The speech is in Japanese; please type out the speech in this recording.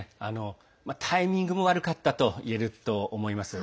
タイミングも悪かったと言えると思います。